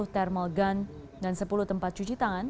dua puluh thermal gun dan sepuluh tempat cuci tangan